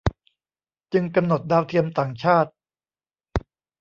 จึงกำหนดดาวเทียมต่างชาติ